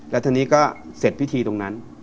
แล้วทีนี้ก็เสร็จพิธีตรงนั้น